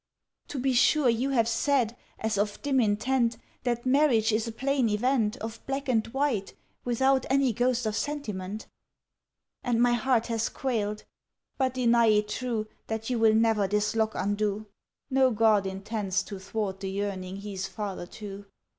"To be sure you have said, as of dim intent, That marriage is a plain event Of black and white, Without any ghost of sentiment, "And my heart has quailed.—But deny it true That you will never this lock undo! No God intends To thwart the yearning He's father to!"